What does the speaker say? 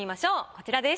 こちらです。